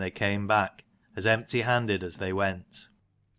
they came back, as empty handed as they went.